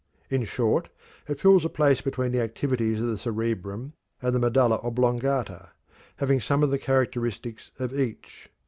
In short, it fills a place between the activities of the cerebrum and the medulla oblongata, having some of the characteristics of each.